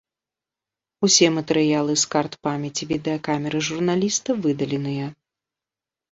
Усе матэрыялы з карт памяці відэакамеры журналіста выдаленыя.